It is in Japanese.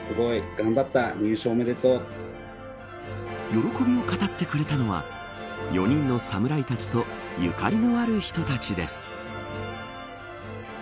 喜びを語ってくれたのは４人の侍たちとゆかりのある人たちです。